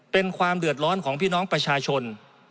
เป็นความเดือดร้อนของพี่น้องประชาชน